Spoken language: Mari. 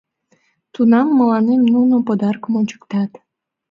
Тунам мыланем нуно подаркым ончыктат...